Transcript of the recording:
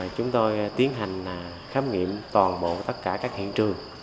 chúng tôi tiến hành khám nghiệm toàn bộ tất cả các hiện trường